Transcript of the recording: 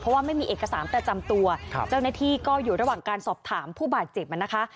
เพราะว่าไม่มีเอกสารประจำตัวครับเจ้าหน้าที่ก็อยู่ระหว่างการสอบถามผู้บาดเจ็บนะคะ